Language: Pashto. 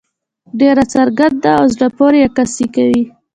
ډېره څرګنده او زړۀ پورې عکاسي کوي.